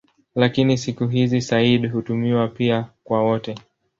Lakini siku hizi "sayyid" hutumiwa pia kwa wote.